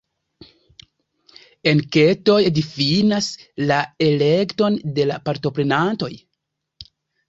Enketoj difinas la elekton de la partoprenantoj.